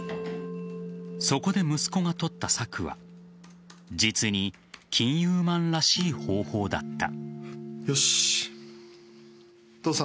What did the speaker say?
そこで息子が取った策は実に金融マンらしい方法だった。